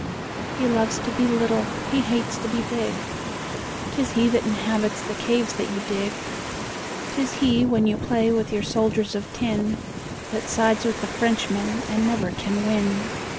He loves to be little, he hates to be big, 'Tis he that inhabits the caves that you dig; 'Tis he when you play with your soldiers of tin That sides with the Frenchmen and never can win.